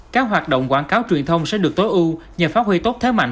các hoạt động quảng cáo truyền thông sẽ được tối ưu nhờ phát huy tốt thế mạnh